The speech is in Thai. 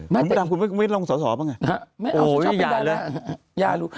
ก็ดีเออคุณไม่ลองสอดสอดป่ะไงไม่เอาอย่าเลยอย่าลุก